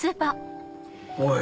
おい